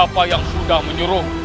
siapa yang sudah menyerah